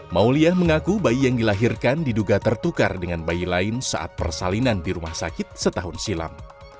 mauliah mengaku bayi yang dilahirkan diduga tertukar dengan bayi lain saat persalinan di rumah sakit setahun silam